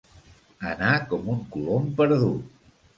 Anar com un colom perdut.